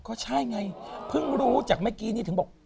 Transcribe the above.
ก็ใช่ไงเพิ่งรู้จากเมื่อกี้นี่ถึงบอก